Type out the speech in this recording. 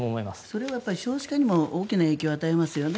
それは少子化にも大きな影響を与えますよね。